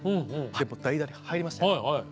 はい代打で入りました。